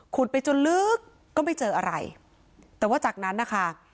ไปจนลึกก็ไม่เจออะไรแต่ว่าจากนั้นนะคะ